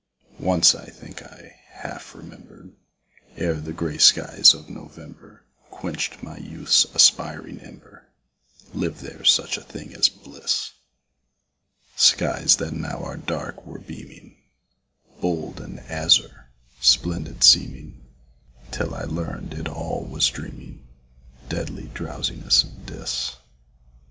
Once, I think I half remember, Ere the grey skies of November Quench'd my youth's aspiring ember, Liv'd there such a thing as bliss; Skies that now are dark were beaming, Bold and azure, splendid seeming Till I learn'd it all was dreaming Deadly drowsiness of Dis.